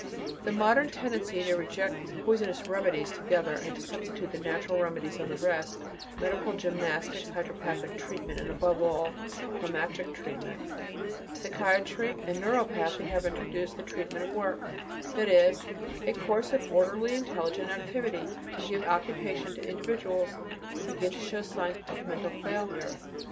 The modern tendency is to reject these poisonous remedies altogether, and to substitute the natural remedies of rest, medical gymnastics, hydropathic treatment, and, above all, climatic treatment. Psychiatry and neuropathology have introduced the treatment of work: that is, a course of orderly intelligent activity, to give occupation to individuals who begin to show signs of mental failure.